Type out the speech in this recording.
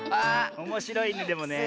おもしろいねでもねえ。